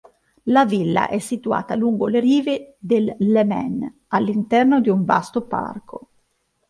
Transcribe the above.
La villa è situata lungo le rive del Lemene, all'interno di un vasto parco